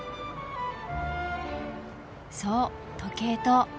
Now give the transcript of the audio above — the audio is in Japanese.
そう時計塔。